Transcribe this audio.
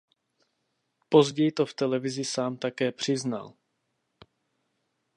Později to v televizi sám také přiznal.